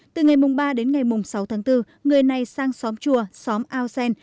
từ ngày mùng ba đến ngày mùng sáu tháng bốn người này sang xóm chùa xóm ao sen